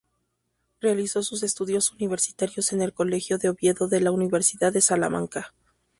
Realizó sus estudios universitarios en el Colegio de Oviedo de la Universidad de Salamanca.